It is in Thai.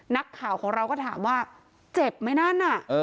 นักข่าวของเราก็ถามว่าเจ็บไหมนั่นน่ะ